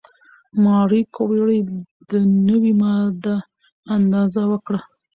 ماري کوري د نوې ماده اندازه وکړه.